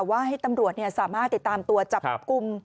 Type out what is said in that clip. ว่าให้ตำรวจสามารถติดตามตัวจับกลุ่ม